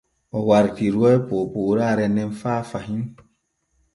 O wartiruway poopooraare nen faa fahin.